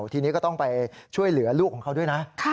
ทีนี้ก็ต้องไปช่วยเหลือลูกของเขาด้วยนะ